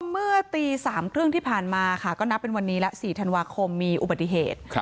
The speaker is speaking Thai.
เมื่อตี๓๓๐ที่ผ่านมาค่ะก็นับเป็นวันนี้ละ๔ธันวาคมมีอุบัติเหตุ